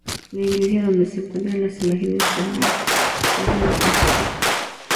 La iglesia donde se encuentran las imágenes para es la de San Pablo.